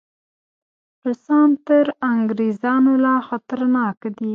روسان تر انګریزانو لا خطرناک دي.